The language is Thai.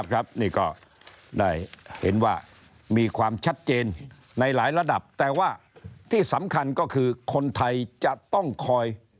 คือได้เห็นว่ามีความมีชัดเจนในหลายระดับแต่ว่าที่สำคัญก็คือคนไทยจะต้องคอยระมัดระหว่าง